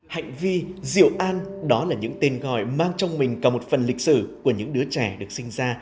hành vi diệu an đó là những tên gọi mang trong mình cả một phần lịch sử của những đứa trẻ được sinh ra